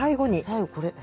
最後これ。